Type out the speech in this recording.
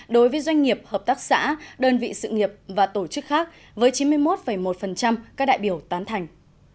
đối với doanh nghiệp hợp tác xã đơn vị sự nghiệp và tổ chức khác với chín mươi một một các đại biểu tán thành